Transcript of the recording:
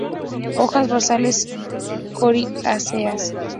Hojas basales coriáceas.